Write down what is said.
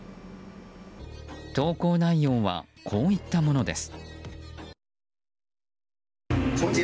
投稿内容はこういったものです。